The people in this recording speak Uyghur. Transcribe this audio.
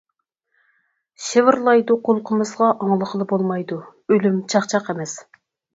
شىۋىرلايدۇ قۇلىقىمىزغا ئاڭلىغىلى بولمايدۇ. ئۆلۈم چاقچاق ئەمەس!